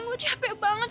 gua capek banget